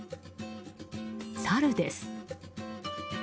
サルです。